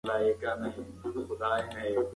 کله چې باغ ته ورسېد نو د ستړیا له امله پر پوله کېناست.